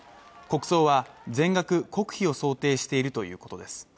国葬は全額国費を想定しているということです